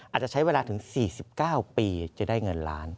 อาจจะใช้เวลาถึง๔๙ปีจะได้เงินล้าน